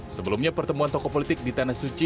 sebelumnya pertemuan tokoh politik di tanah suci